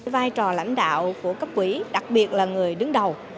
vai trò lãnh đạo của cấp quỹ đặc biệt là người đứng đầu